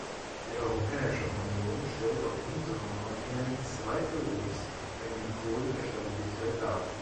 Die Europäische Union stellt auf unserem Kontinent zweifellos einen Pol der Stabilität dar.